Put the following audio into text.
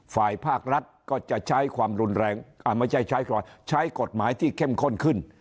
ฝ่ายภาครัฐก็จะใช้กฎหมายที่เข้มข้นขึ้น